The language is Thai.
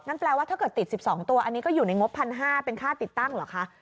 แปลว่าถ้าเกิดติด๑๒ตัวอันนี้ก็อยู่ในงบ๑๕๐๐เป็นค่าติดตั้งเหรอคะ